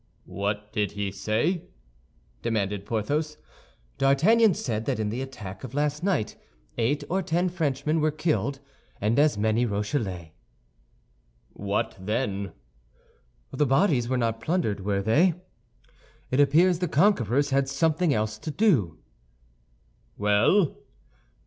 "What did he say?" demanded Porthos. "D'Artagnan said that in the attack of last night eight or ten Frenchmen were killed, and as many Rochellais." "What then?" "The bodies were not plundered, were they? It appears the conquerors had something else to do." "Well?"